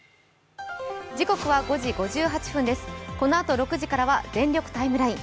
このあと６時からは「全力ＴＩＭＥライン」。